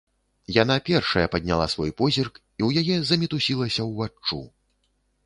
Яна першая падняла свой позірк, і ў яе замітусілася ўваччу.